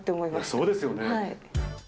そうですよね。